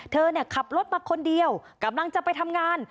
เธอเนี่ยขับรถมาคนเดียวกำลังจะไปทำงาน